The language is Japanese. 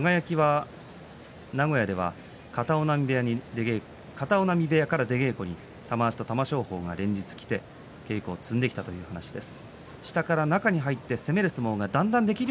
輝は名古屋では片男波部屋に出稽古に玉鷲と玉正鳳が連日来て稽古ができたということです。